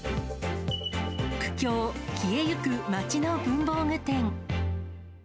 苦境、消えゆく街の文房具店。